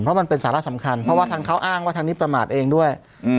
เพราะมันเป็นสาระสำคัญเพราะว่าทางเขาอ้างว่าทางนี้ประมาทเองด้วย